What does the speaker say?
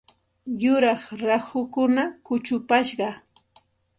Yuraq rahukuna kuchupashqa.